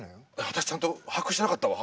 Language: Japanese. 私ちゃんと把握してなかったわ。